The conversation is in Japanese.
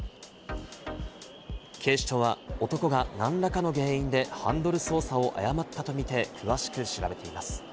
警視庁は男が何らかの原因でハンドル操作を誤ったとみて詳しく調べています。